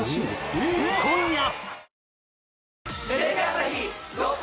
今夜！